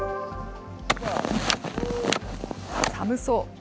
寒そう。